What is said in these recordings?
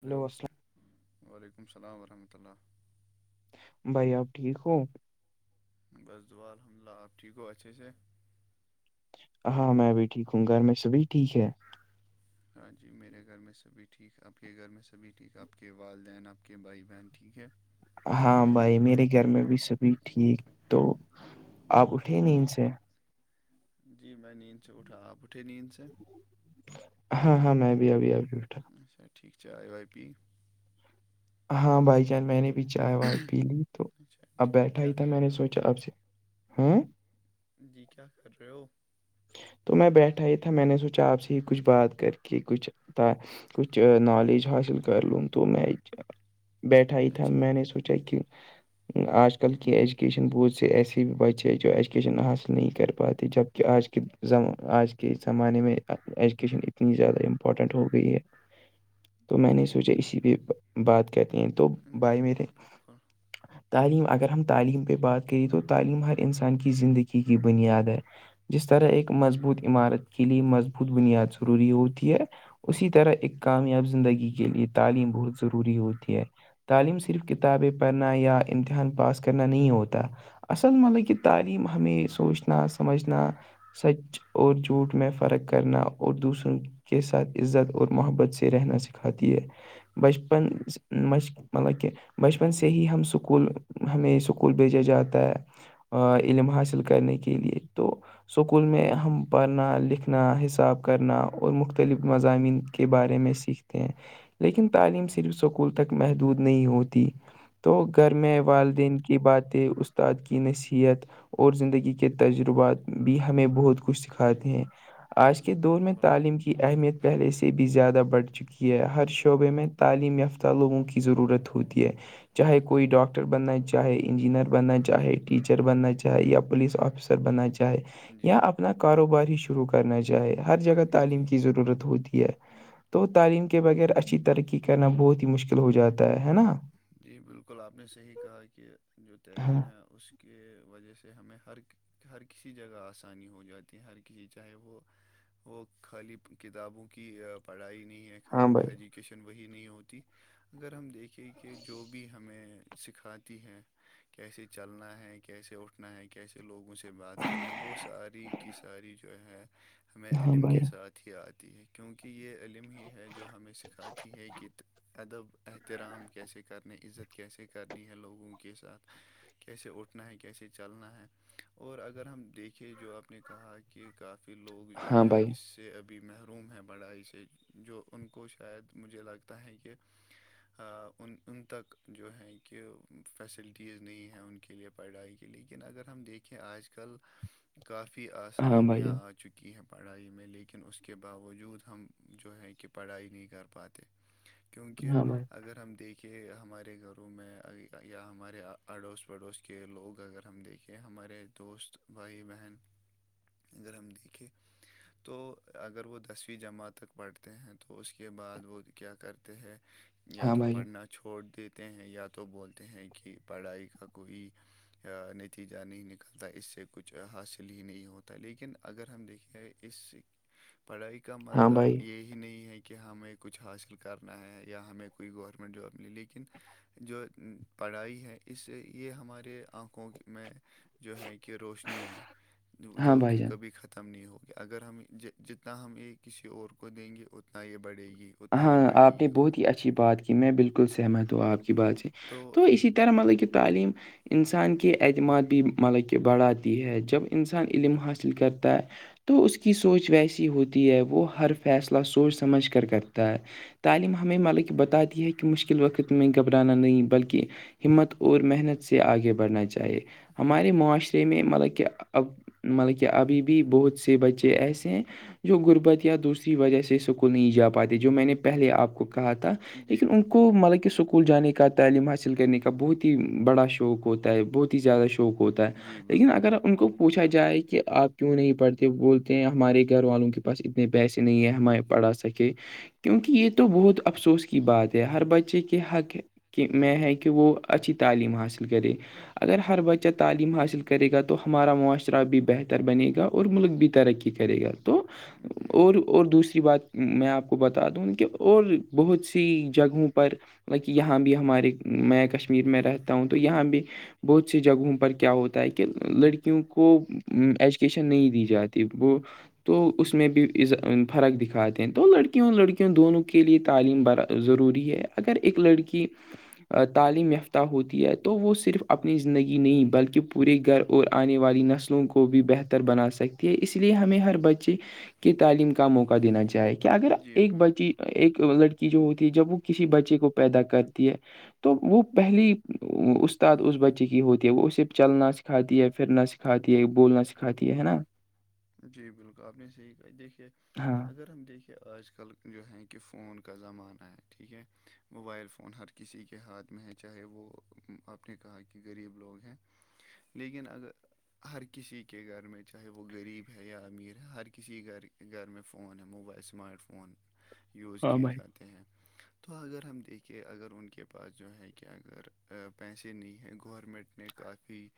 hello وعلیکم السلام ورحمۃ اللہ بھائی آپ ٹھیک ہو بس دعا الحمد للہ آپ ٹھیک ہو اچھے سے ہاں میں بھی ٹھیک ہوں گھر میں سےب بھی ٹھیک ہے ہا جی میرے گھر میں سبھی ٹھیک آپ کے گھر میں سبھی ٹھیک آپ کے والدین آپ کے بھائی بہن ٹھیک ہے ہاں بھائی میرے گھر میں بھی سبھی ٹھیک تو آپ اٹھے نیند سے جی میں نیند سے اٹھا آپ اٹھے نیند سے ہاں ہاں میں بھی ابھی ابھی اٹھا اچھا ٹھیک چائے وائے پی ہاں بھائی جان میں نے بھی چائے وائے پی لی تو اچھا اب ٹھیک بیٹھا ہی کیا تھا کر میں نے رہے سوچا آپ سے ہمممم جی کیا کر رہے ہو تو میں بیٹھا ہی تھا میں نے سوچا آپ سے ہی کچھ بات کر کے کچھ تھا کچھ نالج حاصل کر لوں تو میں بیٹھا ہی تھا اچھا میں نے سوچا کہ [inaudible] آج کل کی ایجوکیشن بہت سے ایسے بھی بچے ہیں جو ایجوکیشن حاصل نہیں کر پاتے جبکہ آج کے ز آج کے زمانے میں ایجوکیشن اتنی زیادہ امپورٹینٹ ہو گئی ہے تو میں جی نے جی سوچا اسی پہ بات کر تے ہیں تو بالکل بھائی جی میرے بالکل تعلیم اگر ہم تعلیم پہ بات کریں تو تعلیم ہر انسان کی زندگی کی بنیاد ہے جس طرح ایک مضبوط عمارت کے لیے مضبوط بنیاد ضروری ہوتی ہے اسی طرح ایک کامیاب زندگی کے لیے تعلیم بہت ضروری ہوتی ہے تعلیم صرف کتابیں پڑھنا یا امتحان پاس کرنا نہیں ہوتا اصل مطلب کہ تعلیم ہمیں سوچنا سمجھنا سچ اور جھوٹ میں فرق کرنا اور دوسروں کے ساتھ عزت اور محبت سے رہنا سکھاتی ہے بچپن مطلب کہ بچپن سے ہی ہم اسکول ہمیں اسکول بھیجا جاتا ہے علم حاصل کرنے کے لے تو سکول میں ہم پڑھنا لکھنا حساب کرنا اور مختلف مضامین کے بارے میں سیکھتے لیکن تعلیم صرف سکول تک محدود نہیں ہوتی تو گھر میں والدین کی باتیں استاد کی نصیحت اور زندگی کے تجربات بھی ہمیں بہت کچھ سکھاتے ہیں آج کے جی دور میں بالکل تعلیم کی اہمیت پہلے سے بھی زیادہ بڑھ چکی ہے ہر شعبے میں تعلیم یافتہ لوگوں کی ضرورت ہوتی ہے چاہے کوئی ڈاکٹر بننا ہے چاہے انجینئر بننا چاہے جی ٹیچر بالکل بننا چاہے یا پولیس آفیسر بننا چاہے یا جی اپنا کاروبار ہی شروع شروع کرنا چاہے ہر جگہ تعلیم جی کی ضرورت ہوتی ہے تو تعلیم کے بغیر اچھی ترقی کرنا بہت ہی مشکل ہو جاتا ہے ہے نا جی بالکل آپ نے صحیح کہا کہ جو ہاں تعلیم ہے اس کے وجہ سے ہمیں ہر ہر کسی جگہ آسانی ہو جاتی ہے ہر کسی چاہے وہ وہ خالی کتابوں کی پڑھائی نہیں ہے ہاں خالی وہ بھائی ایجوکیشن وہی نہیں ہوتی اگر ہم دیکھیں کہ کہ جو بھی ہمیں سکھاتی ہے کیسے چلنا ہے کیسے اٹھنا ہے کیسے لوگوں سے بات کرنا ہے وہ ساری کی ساری جو ہے ہمیں ہاں علم بھائی کے ساتھ ہی آتی ہے کیونکہ یہ علم ہی ہے جو ہمیں سکھاتی ہے کہ ادب احترام کیسے کرنا عزت کیسے کرنی ہے لوگوں کے ساتھ کیسے اٹھنا ہے کیسے چلنا ہے اور اگر ہم دیکھے جو اپنے کہا کہ کافی لوگ جو ہاں ہے بھائی اس سے ابھی محروم ہیں بڑائی سے جو ان کو شاید مجھے لگتا ہے کہ [unintelligible] ان ان تک جو ہے کہ فیسلٹیز نہیں ہیں ان کے لیے پڑھائی کے لیکن اگر ہم دیکھیں کہ آج کل کافی ہاں بھائی آسانیاں چکی ہیں پڑھائی میں لیکن اس کے باوجود ہم جو ہیں کہ پڑھائی نہیں کر پاتے [inaudible] کیونکہ ہاں بھائی اگر ہم دیکھ کہ ہمارے گھروں میں یا ہمارے اڑوس پڑوس کے لوگ اگر ہم دیکھیں ہمارے دوست بھائی بہن اگر ہم دیکھے تو اگر وہ دسویں جمعت تک پڑھتے ہیں تو اس کے بعد وہ کیا کرتے ہیں یا ہاں تو بھائی پڑھنا چھوڑ دیتے ہیں یا تو بولتے ہیں کہ پڑھائی کا کوئی نتیجہ نہیں نکلتا اس سے کچھ حاصل ہی نہیں ہوتا لیکن اگر ہم دیکھیں اس [inaudible] پڑھائی کا ہاں مطلب بھائی یہی نہیں ہے کہ ہمیں کچھ حاصل کرنا ہے یا ہمیں کوئی گورنمنٹ جاب ملی لیکن جو پڑھائی ہے اس سے یہ ہمارے آنکھوں میں جو ہے کہ روشنی ہے ہاں جو بھائی کہ جان کبھی ختم ختم نہیں ہوگی اگر ہم جتنا ہم یہ کسی اور کو دیں گے اتنا یہ بڑھے گی اتنا یہ ہاں بڑھے آپ نے گی بہت ہی اچھی بات کی میں بالکل سہمت ہوں آپ کی بات سے تو اسی تیرمل کی تعلیم انسان کے اعتماد بھی ملب کہ بڑھاتی ہے جب انسان علم حاصل کرتا ہے تو اس کی سوچ ویسی ہوتی ہے وہ ہر فیصلہ سوچ سمجھ کر کر تعلیم ہمیں ملک بتاتی ہے کہ مشکل وقت میں گھبرانا نہیں بلکہ ہمت اور محنت سے آگے بڑھنا چاہیے ہمارے معاشرے میں مطلب کہ اب مطلب کہ ابھی بھی بہت سے بچے ایسے ہیں جو غربت یا دوسری وجہ سے سکول نہیں جا آتے جو میں نے پہل آپ کو کہا تھا جی لیکن ان بالکل کو مطلب کہ سکھ اسکول جانے کا تعلیم حاصل کرنے کا بہت ہی بڑا شوق ہوتا ہے بہت ہی زیادہ شوق شوک ہوتا ہے جی لیکن بالکل اگر ان کو پوچھا جائے کہ آپ کیوں نہیں پڑھتے بولتے ہیں ہمارے گھر والوں کے پاس ا نے پیسے نہیں ہے ہما پڑا سکے کیونکہ یہ تو بہت افسوس کی بات ہے ہر بچے کے حق کہ میں ہے کہ وہ اچھی تعلیم حاصل کرے اگر ہر بچہ تعلیم حاصل ہر کرے گا تو بچہ ہمارا تعلیم حاصل معاشرہ بھی بہتر بنے گا اور ملک بھی ترقی کرے گا تو گا ہمارا معاشرہ بھی بہتر بنے اور اور دوسری بات میں آپ کو بتا دوں کہ اور گا بہت سی جگہوں ملک بھی پر لائک یہاں بھی ہمارے ترقی کرے میں کشمیر میں رہتا ہوں تو یہاں بھی بہت سی جگہوں پر کیا ہوتا ہے کہ لڑکیوں کو ایجوکیشن نہیں دی جاتی وہ تو اس میں بھی فرق دکھات د تو لڑکیوں لڑکیوں دونوں کے لیے تعلیم بڑا ضروری ہے اگر ایک لڑکی تعلیم یافتہ ہوتی ہے تو وہ صرف اپنی زندگی نہیں بلکہ پورے گھر اور آنے والی نسلوں کو بھی بہتر بنا سکتی ہے اس لیے ہمیں ہر بچے کی تعلیم کا موقع دینا چاہی کیا اگر گا جی بالکل اور اور دوسری بات ایک میں آپ کو بتا بچی ایک لڑکی جو ہوتی ہے جب وہ کسی بچے کو پیدا کرتی ہے تو وہ پہلی استاد اس بچے کی ہوتی ہے وہ اسے چلنا سکھاتی ہے پھرنا سکھاتی ہے بولنا سکھاتی ہے نا جی بالکل آپ نے صحیح کہا دیکھیے ہاں اگر ہم دیکھیے کہ آج کل جو ہے کہ فون کا زمانہ ہے ٹھیک ہے موبائل فون ہر کسی کے ہاتھ میں ہے چاہے وہ آپ نے کہا کہ غریب لوگ ہیں لیکن اگر ہر کسی کے گھر میں چاہے وہ غریب ہو یا امیر ہے ہر کسی گھر گھر میں فون ہے موبائل سمارٹ فون یوز ہاں کیے بھائی جاتے ہیں تو اگر ہم دیکھیں اگر ان کے پاس جو ہے کہ اگر پیسے نہیں ہیں گورنمنٹ نے کافی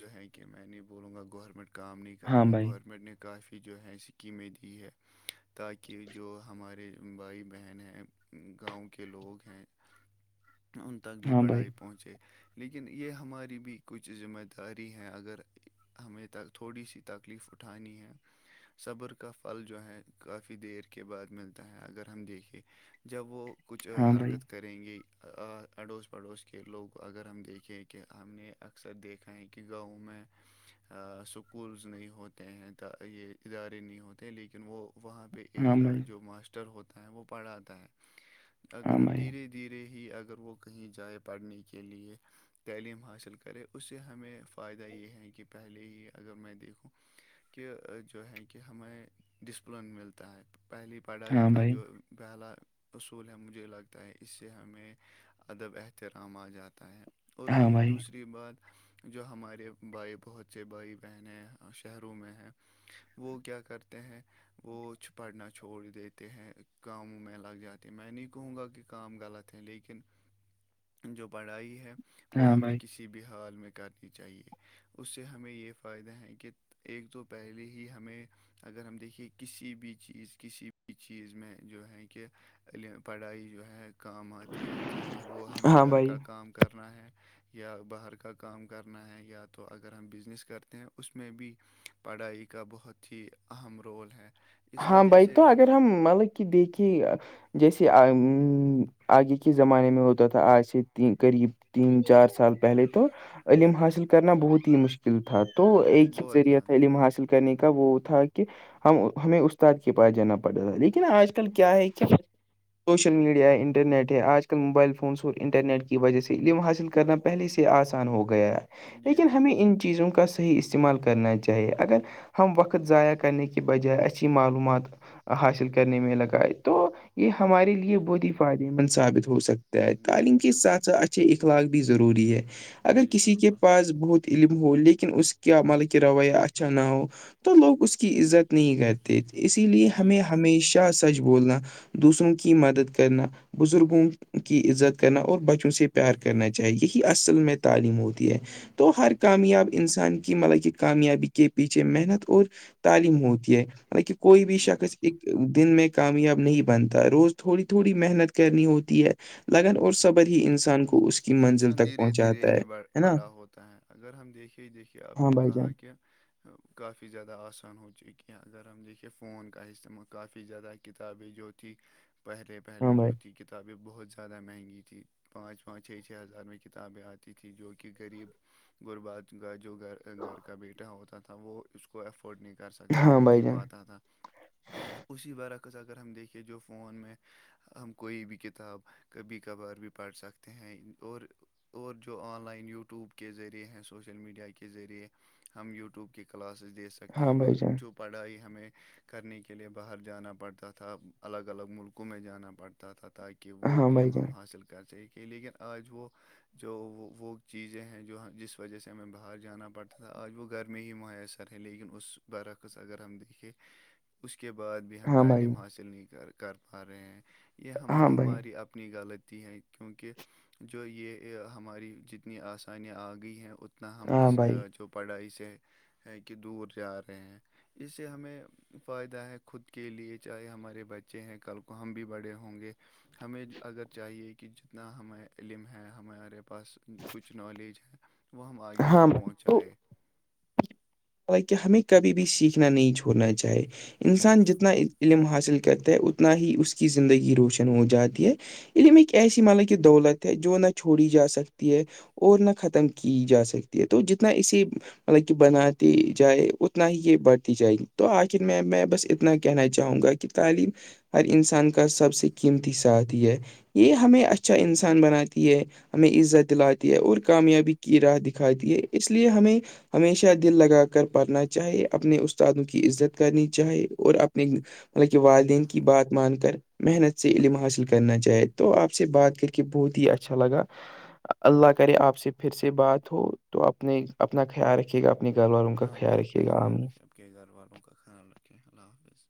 جو ہے کہ میں نہیں بولوں گا گورنمنٹ کام نہیں ہاں کرتی بھائی گورننٹ گورمنٹ نے کافی جو ہے اسکیمیں دی ہے تاکہ جو ہمارے بھائی بہن ہیں گاؤں کے لوگ ہیں [inaudible] ان تک بھی ہاں بھائی پڑھائی پہنچے لیکن یہ ہماری بھی کچھ ذمہ داری ہیں اگر ہمیں تھوڑی سی تکلیف اٹھانی ہے صبر کا پھل جو ہے کافی دیر کے بعد ملتا ہے اگر ہم دیکھے جب وہ کچھ ہاں بھائی حرکت کریں گی اڑوس پڑوس کے لوگ اگر ہم دیکھیں کہ ہم نے اکثر دیکھا ہے کہ گاؤں میں اسکولز نہیں ہوتے ہیں یہ ادارے نہیں ہوتے لیکن وہ وہاں پہ ہاں ایک بھائی جو ماسٹر ر ہوتا ہے وہ پڑاتا ہے اگر ہاں ہم بھائی دھیرے د دھیرے ہی اگر وہ کہیں جائے پڑھنے کے لیے تعلیم حاصل کرے اس سے ہمیں فائدہ یہ ہے کہ پہلے ہی اگر میں دیکھوں کہ جو ہے کہ ہمیں ڈسپلن ملتا ہے پہلی پڑھائی ہاں کا بھائی جو گہال اصول ہے مجھے لگتا ہے اس سے ہمیں ادب احترام آ جاتا ہے اور ہاں رہی بھائی دوسری بات جو ہمارے بھائی بہت سے بھائی بہنیں شہروں میں ہیں وہ کیا کرتے ہیں وہ چھ پڑھنا چھوڑ دیتے ہیں کاموں میں لگ جاتے میں نہیں کہوں گا کہ کام غلط تھ لیکن [inaudible] جو پڑھائی ہے وہ ہاں ہمیں بھائی کسی بھی حال میں کرنی چاہیے اس سے ہمیں یہ فائدہ ہے کہ ایک تو پہلے ہی ہمیں اگر ہم دیکھیے کسی بھی چیز کسی بھی چیز میں جو ہے کہ پڑھائی جو ہے کام آتی ہے چاہے وہ ہمیں ہاں گھر بھائی کا کام کرنا ہے یا باہر کا کام کرنا ہے یا تو اگر ہم بزنس کرتے ہیں اس میں بھی پڑھائی کا بہت ہی اہم رول ہے اس ہاں وجہ بھائی سے تو ہمیں اگر ہم مطلب کہ دیکھیے جیسے آگے کے زمانے میں ہوتا تھا آج سے قریب تین چار سال پہلے تو عم حاصل کرنا بہت ہی مشکل تھا تو ایک ہی بہت ذریعہ تھا زیادہ علم حاصل کرنے کا وہ تھا کہ ہم ہمیں استاد کے پاس جانا پڑتا تھا لیکن آج کل کیا ہے کہ سوشل میڈیا ہے انٹرنیٹ ہے آج کل موبائل فونس اور انٹرنیٹ کی وجہ سے علم حاصل کرنا پہلے سے آسان ہو گیا جی لیکن ہمیں بالکل ان چیزوں کا س ہی استعمال کرنا چاہیے اگر ہم وقت ضائع کرنے کے بجائے اچے اچ معلومات حاصل کرنے میں لگاائے تو یہ ہمارے لیے بہت ہی فائدے مند ثابت ہو سکتا ہے جی تعلیم کے بال ساتھ ساتھ اچھے اخلاق بھی ضروری ہے اگر جی کسی کے بالکل پاس بہت علم ہو لیکن اس کیا مطلب کہ رویہ اچھا نہ ہو تو لوگ اس کی عزت نہیں کرتے اسی لیے جی ہمیں ب ہمیشہ سچ بولنا دوسروں کی مدد کرنا بزرگوں کی عزت کرنا اور بچوں سے پیار کرنا چاہیے یہی اصل میں تعلیم ہوتی ہے تو ہر جی بالکل کامیاب انسان کہ مطلب کہ کامیابی کے پیچھے محنت اور تعلیم ہوتی ہے مطلب کہ کوئی بھی جی شخص ایک بالکل دن میں کامیاب نہیں بنتا روز تھوڑی تھوڑی محنت کرنی ہوتی ہے لگن اور سب ہی انسان کو انسان دھیرے دھیرے پہنچاتا ہے ہی ہے نا بڑا ہوتا ہے اگر ہم دیکھے ہی دیکھیے آپ ہاں نے بھائی جان کہا کہ کافی زیادہ آسان ہو چکی ہیں اگر ہم دیکھیے فون کا استعمال کافی زیادہ کتابیں جو تھی پہلے ہاں پہلے بھائی جو تھی کتابیں بہت زیادہ مہنگی تھی تھیں پانچ پانچ چھ چھ ہزار میں کتابیں آتی تھیں جو کہ غریب غربات جو گھر گھر کا بیٹا ہوتا تھا وہ اس کو ایفورڈ نہیں کر سکتا ہاں لے بھائی نہیں جان پاتا تھا اسی برعکس اگر ہم دیکھے جو فون میں ہم کوئی بھی کتاب کبھی کبھار بھی پڑھ سکتے ہیں اور اور جو آن لائن یوٹیوب کے ذریعے ہیں سوشل میڈیا کے ذریعے ہم یوٹیوب کی کلاسز دیکھ سکتے ہیں ہاں اور بھائی جان جو پڑھائی ہمیں کرنے کے لیے باہر جانا پڑتا تھا الگ الگ ملکوں میں جانا پڑتا تھا تاکہ کہ وہ ہاں بھائی علم جان ہم حاصل کر سک تھے لیکن آج وہ جو وہ وہ چیزیں ہیں جو جس وجہ سے ہمیں باہر جانا پڑتا تھا آج وہ گھر میں ہی محیسر ہیں لیکن اس برعکس اگر ہم دیکھیں اس کے بعد بھی ہم ہاں بھائی تعلیم حاصل نہیں کر کر پا رہے ہیں یہ ہمیں ہاں بھائی ہماری اب اپنی غالط ہیں کیونکہ جو یہ ہماری جتنی آسانیاں آ گئی ہیں اتنی اتنا ہم ہاں اس بھائی جو پڑھائی سے ہے کہ دور جا رہے ہیں اس سے ہمیں فائدہ ہے خود کے لیے چاہے ہمارے بچے ہیں کل کو ہم بھی بڑے ہوں گے ہمیں اگر چاہیے کہ جتنا ہمیں علم ہے ہمارے پاس کچھ نالج ہے وہ ہم آگے ہاں تک بھائی پہنچائے حالکہ ہمیں کبھی بھی سیکھنا نہیں چھوڑنا چاہیے جی انسان جتنا بالکل علم حاصل کرتا ہیں اتنا ہی اس کی زندگی روشن ہو جاتی ہے علم ایک ایسی ملا کی دولت ہے جو نہ چھوڑی جا سکتی ہے اور نہ ختم کی جا سکتی ہے تو جتنا اسی مطلب کہ بنا جائے اتنا ہی یہ بڑھتی جائے گی تو آخر میں میں بس اتنا کہنا چاہوں گا کہ تعلیم ہر انسان کا سب سے قیمتی ساتھ ہے یہ ہمیں اچھا انسان بناتی ہے ہمیں عزت دلاتی ہے اور کامیابی کی راہ دکھاتی ہے اس لیے ہمیں ہمیشہ دل لگا کر پڑھنا چاہے اپنے استادوں کی عزت کرنی چاہے اور اپنی ملک والدین کی بات مان کر محنت سے علم حاصل کرنا چاہے تو آپ سے بات کر کے بہت ہی اچھا لگا اللہ کرے آپ سے پھر سے بات ہو تو اپنے اپنا خیال رکے گا اپنے گھر والوں کا آپ بھی خیال اپنا رکھیے گا آمین خیال رکھیں اپپ کے گھر والوں کا خیال رکھیں اللہ حافظ